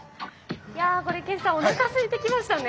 いやゴリけんさんおなかすいてきましたね。